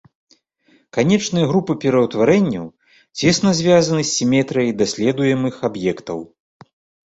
Канечныя групы пераўтварэнняў цесна звязаны з сіметрыяй даследуемых аб'ектаў.